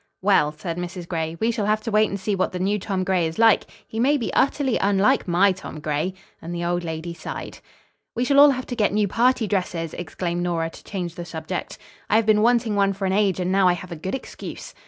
"Well," said Mrs. Gray, "we shall have to wait and see what the new Tom Gray is like. He may be utterly unlike my Tom Gray." And the old lady sighed. "We shall all have to get new party dresses," exclaimed Nora to change the subject. "I have been wanting one for an age and now I have a good excuse."